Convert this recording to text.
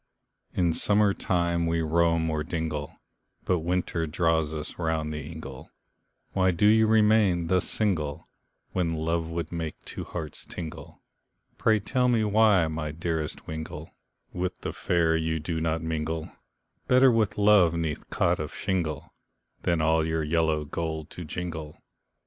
In summer time we roam o'er dingle, But winter draws us round the ingle, Why do you remain thus single, When love would make two hearts tingle, Pray, tell me why my dearest wingle, With the fair you do not mingle, Better with love 'neath cot of shingle, Than all your yellow gold to jingle.